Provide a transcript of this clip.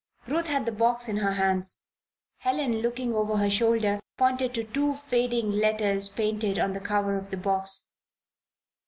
Ruth had the box in her hands. Helen, looking over her shoulder, pointed to two faded letters painted on the cover of the box.